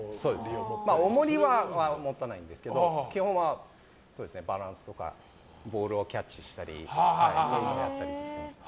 おもりは持たないんですけど基本はバランスとかボールをキャッチしたりそういうのをやったりしてますね。